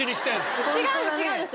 違うんです